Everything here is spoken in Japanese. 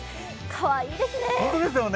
かわいいですね。